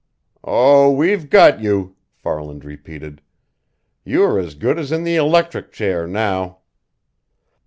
"Oh, we've got you!" Farland repeated. "You are as good as in the electric chair now!"